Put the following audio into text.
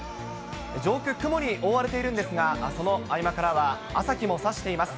上空、雲に覆われているんですが、その合間からは朝日もさしています。